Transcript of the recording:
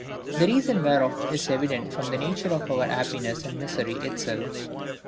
The reason whereof is evident from the nature of our happiness and misery itself.